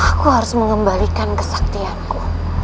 aku harus mengembalikan kesaktianku